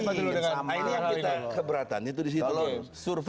nah ini yang kita keberatan itu disitu loh